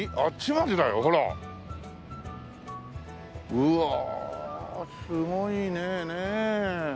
うわあすごいねねえ。